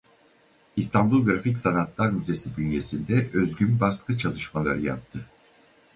İstanbul Grafik Sanatlar Müzesi bünyesinde özgün baskı çalışmaları yaptı.